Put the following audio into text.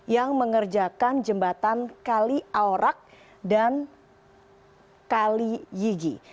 yang mengerjakan jembatan kali aurak dan kali yigi